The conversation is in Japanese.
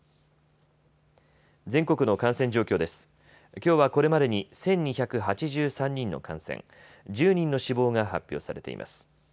きょうはこれまでに１２８３人の感染、１０人の死亡が発表されています。